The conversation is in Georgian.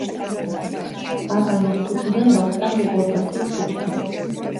აბანოს ქუჩიდან ვახტანგ გორგასლის ქუჩამდე.